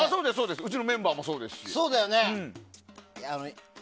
うちのメンバーもそうですね。